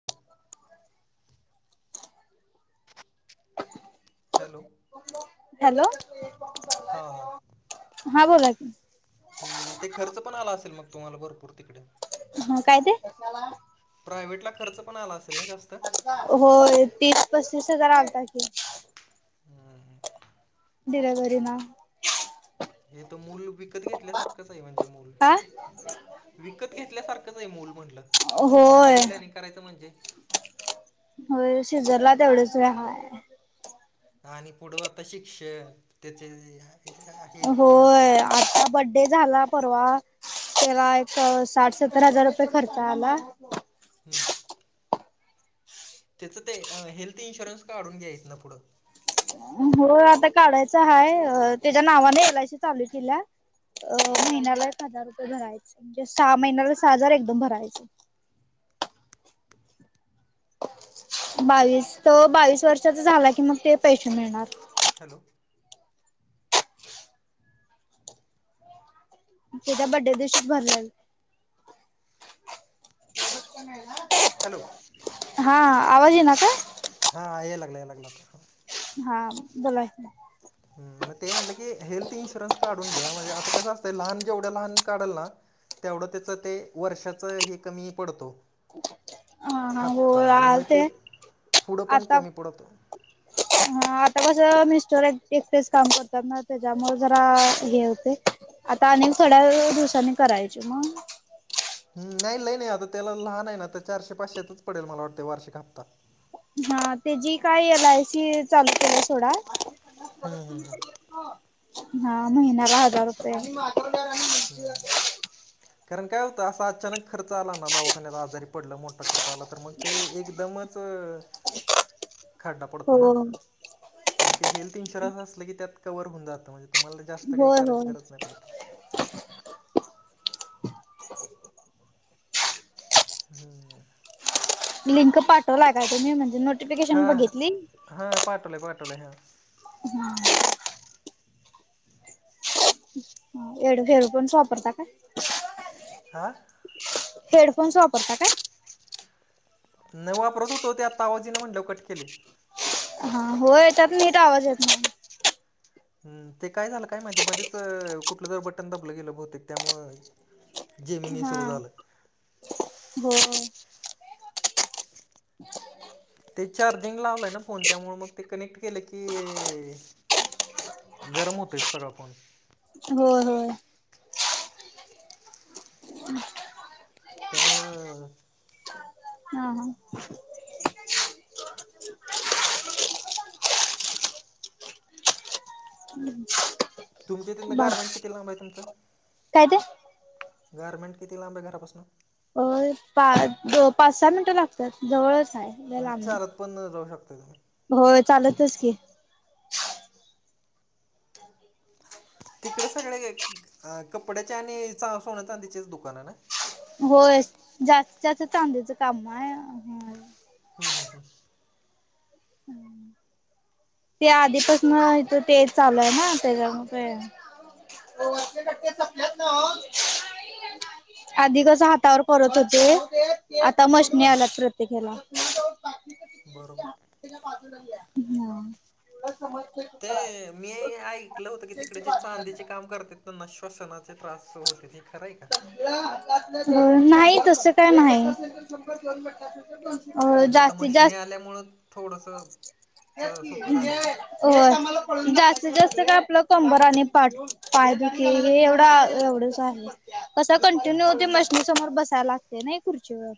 [inaudible] Hello hello हां हां हा बोलाच ह मग ते खर्च पण आला असेल मग तुम्हाला भरपूर तिकडे. हा काय ते प्रायव्हेट ला खर्च पण आला असेल ना जास्त हो तीस पस्तीस हजार आवता की ह. दिरावररी ना [inaudible] हे तर मूल विकत घेतल्यासारखंच आहे. म्हणजे मूल हा विकत घेतल्यासारखंच आहे. मूल म्हटलं होय फॅमिली प्लॅनिंग करायचं म्हणजे हो शिजरला तेवढंच रहाय आणि पुढं आता शिक्षण त्याचे त [unintelligible] होय आता बर्थडे डे झाला परवा तेव्हा एक साठ सत्तर हजार रुपये खर्च आला. हम्म. त्याचं ते हेल्थ इन्शुरन्स काढून घ्यायेत ना पुढं. हो आता काढायचं हा त्याच्या नावाने एल आय शी चालली तिल्या अ महिन्याला एक हजार रुपये भरायचे म्हणजे सहा महिन्याला सहा हजार एकदम भरायचे. बावीस त बावीस वर्षाचा झाला की मग ते पैसे मिळणार. हॅलो. तिच्या बर्थडेच्या दिवशीच भरलय. हॅलो हा आवाज ये ना का? हा ये लागला ये लागणार प हा बोलायच नाही. मग ते म्हटलं की हेल्थ इन्शुरन्स का? घ्या म्हणजे आता कसं असतं लहान जेवढ्या लहान काढल ना. तेवढं त्याच ते वर्षाच हे कमी पडतो. हा हा हो हप्ता आणि मग ते आलते. फुढं पण कमी पडतो. ह आता कस मिस्टरटेच काम करतात. ना त्याच्यामुळे जरा हे होते. आता अनेक थोड्या दिवसांनी करायचे मग ह नाही नाही नाही आता त्याला लहान नाही ना आता चारशे पाचशेचा पडेल मला वाटतें वार्षिक हप्ता. हा त्याची काय एल आय सी चालूते आहे सोडा. हम् हम हम. हा महिना का हजार रुपया ह कारण काय होतं. असं अचानक खर्च आला ना दावाखान्याला आजारी पडलं मोठा खर्च आला तर मग ते एकदमच. खड्डा हो पडतो ना. मग ते हेल्थ इन्शुरन्स असलं. की त्यात कवर होऊन जातं म्हणजे तुम्हाला जास्त काही होय करायची होय. गरज नाही. पडं. हम्म. लिंक पाठवला काय तुम्ही म्हणजे हा नोटिफिकेशन बघितली. हा पाटले पाटले हा. हम. हेडफोन्स पणच वापरता. का? हां. हेडफोन्स वापरता काय? न वापरत होतो ते आता आवाज येईना म्हटल्यावर कट केलाय? हा हो य त्यात मी तर आवाज येत नाही. हम् ते काय झालं काय माहिती मध्येच कुठलं जर बटन दबलं गेलं बहुतेक यामुळे हा ब [inaudible] ते चार्जिंग लावलंय ना फोन त्यामुळे मग ते कनेक्ट केलं की गरम होतंय ते फोन हो होय. [inaudible] त्यामुळं हा हा [inaudible] तुमच्या त्यां बा गारमेंट किती लांब आहे तुमचं? काय ते गार्मेंट किती लांब आहे घरापासून अ पा पाच सहा मिनटं लागतात जवळच आहे. चालत पण जाऊ शकताय तुम्ही? हो चालतच की तिकडे सगळे कपड्याचे आणि सोन चांदीचेच दुकान आहे ना होयस जास्त जास्त चांदीच काम आहे. हं ह हं [unintelligible] ते आधीपासून इथ ते चालू आहे. ना त्याच्यामुळे [inaudible] आधी कस हातावर करत होते. आता मशनी आलात प्रत्येकाला बरोबर हा [inaudible] ते मी ऐकलं होतं की तिकडे जे चांदीचे काम करत त्यांना श्वसनाचे त्रास होते ते खरंय का नाही तस काय नाही अ म्हणजे आता जास्तीत मशिनी जास्त आल्यामुं थोडस सोपं झालंय का हो जास्तीत जास्त का आपलं कंबर आणि पाठ पाय बख हे एवढा एवढंच आहे. कस हां कंटिन्यू होते मशनी समोर बसायला लागते नाही खुर्चीवर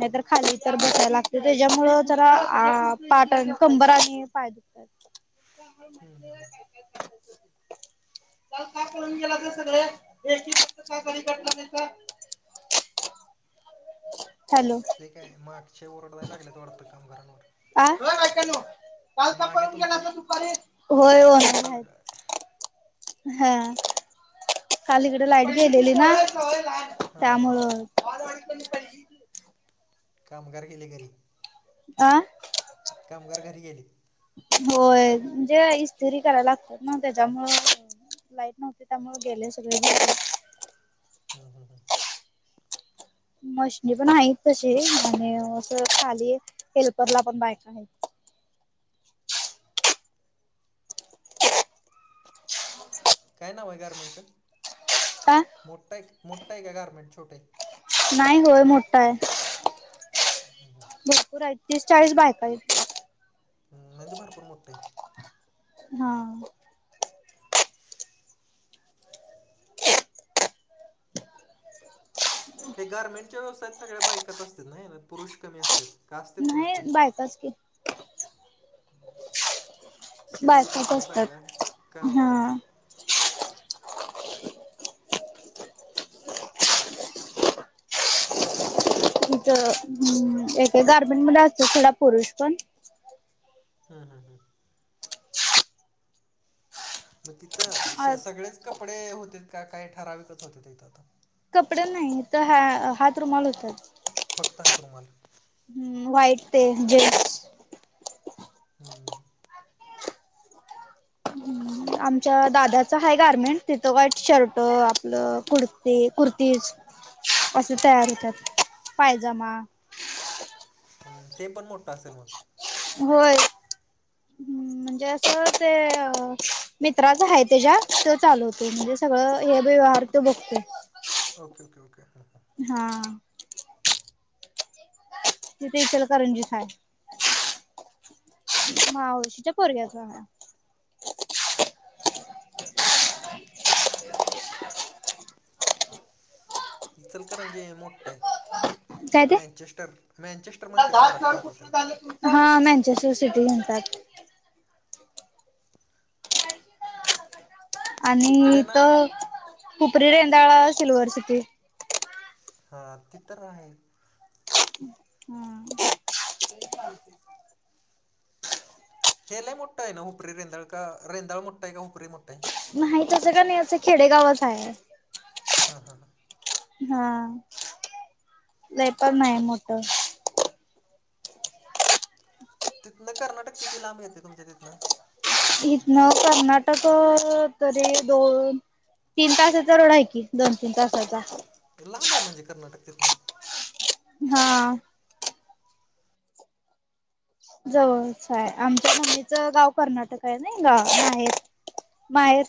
नाहीतर खाली तर बसायला लागते त्याच्यामुळ ज पाठ कंबर आणि पाय दुखतात हम्म हम्म [inaudible] [unintelligible] [inaudible] [unintelligible] हॅलो तेठी काय मागचे ओरडायला लागले वाटतं कामगारांवर होय बायकायनों काल का मागे पळून तुमच्या गेलासा दुपारी होय का ओरडायला [inaudible] लागला हा काली इकडे लाईट गेलेली ना हां हां त्यामुळं [inaudible] कामगार गेले घरी आं कामगार घरी गेली होय म्हणजे इस्त्री करायला लागतात ना त्याच्यामु लाईट नव्हते त्यामु गेले [unintelligible] मशनी पण आहेत तसे आणि अस खाली हेल्परला पण बायक आहे काय नाव आहे गारमेंटचं हां मोठा एक मोठा एक का आहे गारमेट छोटे नाही होय मोठा आहे भरपूर आहे तीस चाळीस बायका म्हे भरपूर मोठे हा हे गार्मेंटच्या व्यवसायात सग्या बाकाच असतात ना ना पुरुष कमी असते का असते पुरुष पण च की... शिलाई बायकाच पसना असतात सगळ्यांत काय वापरता? हा. तिथं ए गार्मेंट मध्ये असतं थोडा पुरुष पण. हम्म हम्म हम मग तिथं सगळेच.... कपडे होते का काही ठराविकच होते तेथ आता. कपडे नाही तर ह हात रुमाल होतात. फक्त हात रुमाल. हम्म वाईट ते जे हम्म. आमच्या दादाचं आहे गार्मेंट तिथं वाईट शर्ट आपलं कुर्ती, कुर्तीस.... असे तयार होतात पायजमा..... हम्म ते पण मोठं असेल मग? होय [unintelligible] म्हणजे अस ते मित्राच आहे त्याच्या त चालवते म्हणजे सगळं हे व्यवहार...... तुमुक्त ओके ओके ओके हा...... हा..... तिथे इथ इलकरंजी आहे..... मावशीच्या पोरग्याच हां.... इचलकरंजे हे मोठ आहे..... काय ते मॅचेस्टर मॅचेस्टर म्हणते महाराष्ट्रातलं त्याला..... हा मॅनचेस्टर सिटी म्हणतात.... आणि तिकडे ना इथ खुपरी रेंदाळा सिल्वर सिटी..... हा ति तर आहे... हम्म... हे लय मोठं आहे ना हुपरी रेंदाळ का रेंदाळ मोठा आहे का हुपरी मोठा आहे? नाही तसं का नाही असं खेडेगावच आहे.... हा हा ह.... हा लय पण नाही मोठं.... [inaudible] तिथनं कर्नाटक किती लांब येतय तुमच्या तिथनं? इथन कर्नाटक तरी दोन.... तीन तासाचा रोड आहे की दोन तीन तासाचा... लांब आहे म्हणजे कर्नाटक तिथन.... हां..... जवळच हाय आमच्या मुलीचं गाव कर्नाटक आहे ना गाव माहेर... माहेर....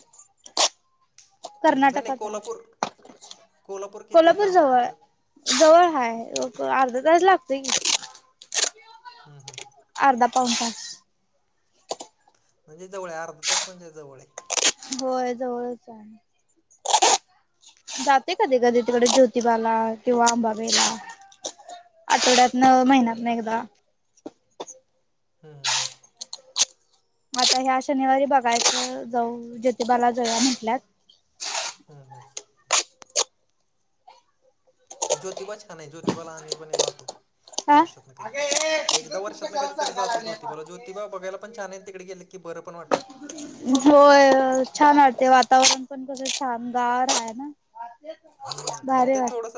हं, नाही नाही कर्नाटकात कोल्हापूर आहे किती कोल्हापूर लांब आहे जवळ...... तुमच्यात जवळ हाय अर्धा तास लागतोय कि.... हम्म हम्म..... अर्धा पाऊंण तास... म्हणजे जवळ अर्धा तास म्हणजे जवळय.... होय जवळच आहे.... जाते कधी कधी तिकडे ज्योतिबाला किंवा आंबाबाईला..... आठवड्यात न महिन्यात ना एकदा... हम्म हम्म हं..... आता ह्या शनिवारी बघायच जाऊ जोतीबाला जाऊया म्हटल्यात. हम्म हम.... ज्योतिबाच का नाही ज्योतिबाला आम्ही पण जातो हा वर्षात ना कधीतरी..... एकदा वर्षात ना कधीतरी जातो ज्योतीबाला ज्योतिबा बघायला पण छानय तिकडे गेले की बरं पण वाटतं. होय छान वाटते वातावरण पण कस शानदार आहे ना. हम्म आणि भारी ते वाट थोडस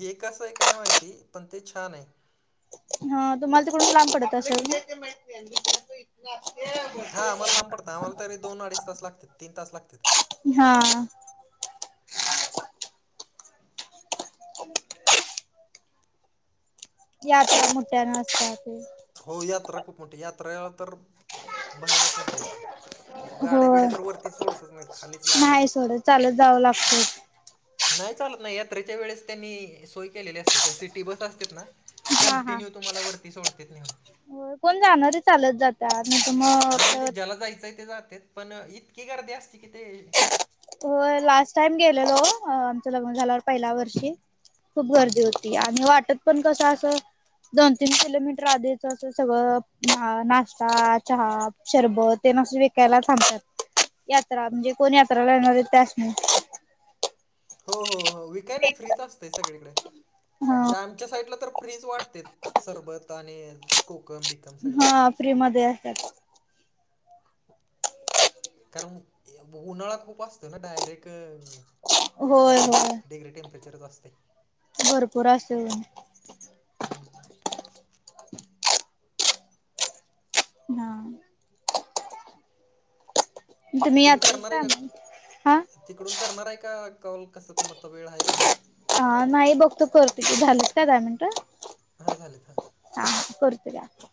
हे कसं आहे काय माहिती पण ते छान आहे. हा तुम्हाला तिकडून लांब पडत असेल. हा आम्हाला लांब पडत आम्हाला तरी दोन अडीच तास लागतात तीन तास लागतात... हा.... हो.... यात मुठ्या असतात.... हो यात्रा खूप मोठी यात्रा तर भयानक मोठे असते, म्हणजे गाड्या होय बिड्या तर वरती सोडतच नाहीत खालीच लावायच्या. नाही सोडत चालत जावं लागत. नाही चालत नाही यात्रेच्या वेळेस त्यांनी सोय केलेली असते त्या सिटी बस असते ना. हा हा कंटिन्यू तुम्हाला वरती सोडतेेत निहून. हो कोण जाणार चालत जात त्या [unintelligible] मग हा म्हणजे ज्याला जायचंय ते जातेत पण इतकी गर्दी असती कि ते हो लास्ट टाईम गेलेलो आमचं लग्न झाल्यावर पहिल्या वर्षी खूप गर्दी होती आणि वाटत पण कसं असं दोन तीन किलोमीटर आधीच अस सगळं नाश्ता, चहा शरबत ते नास विकायला थांबतात यात्रा म्हणजे कोण यात्रा ला येणार आहेत त्या असणे. हो हो हो विकय नाही फ्रीच असतय सगळीकडे हा म्हणजे आमच्या साईडला तर फ्रीज वाटतेत सरबत आणि कोकम बी हा फ्री मध्ये असत्यात. कारण उन्हाळा खूप असतो ना डायरेक होय चाळीस होय डिग्री टेम्परेचरच असते. भरपूर अस ना. तुम्ही यात्राच करणार आहे का, टायमिंग हा तिकडून करणार आहे का कॉल कस तुम्हाला त वेळ आहे का नाही. हा नाही बघ तू करते की झालीत का दहा मिनटं. हा झालीत ह. हा करतो [unintelligible]